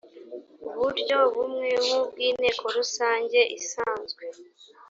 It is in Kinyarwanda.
buryo bumwe nk’ubw’inteko rusange isanzwe